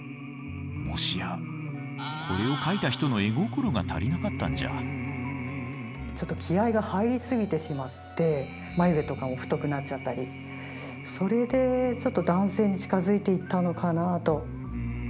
もしやこれを描いた人のちょっと気合いが入りすぎてしまって眉毛とか太くなっちゃったりそれでちょっと男性に近づいていったのかなと。